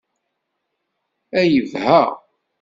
A yebha!